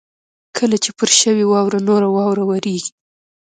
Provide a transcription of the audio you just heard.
کله چې پر شوې واوره نوره واوره ورېږي.